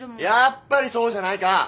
やっぱりそうじゃないか！